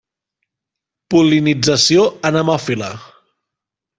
Pol·linització anemòfila.